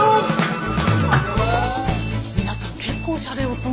皆さん結構しゃれおつねえ。